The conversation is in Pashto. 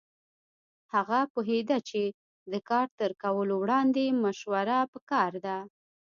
هغه پوهېده چې د کار تر کولو وړاندې مشوره پکار ده.